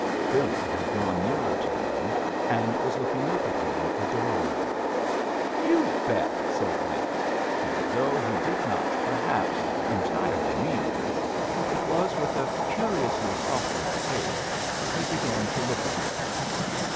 Billy had drawn nearer to Lin, and was looking up at him adoringly. "You bet!" said Lin; and though he did not, perhaps, entirely mean this, it was with a curiously softened face that he began to look at Billy.